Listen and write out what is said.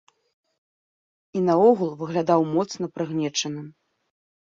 І наогул выглядаў моцна прыгнечаным.